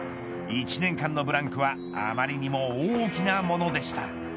１年間のブランクは、あまりにも大きなものでした。